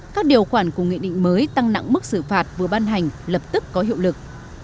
các điều khoản của nghị định mới tăng nặng mức xử phạt vừa ban hành lập tức có hiệu lực